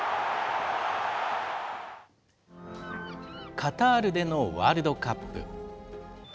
カタールでのワールドカップ。